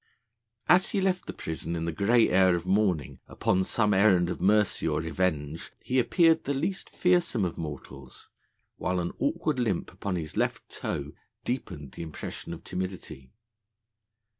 As he left the prison in the grey air of morning upon some errand of mercy or revenge, he appeared the least fearsome of mortals, while an awkward limp upon his left toe deepened the impression of timidity.